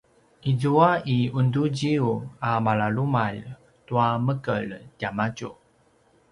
izua i unduziyu a malalumalj tua mekelj tiamadju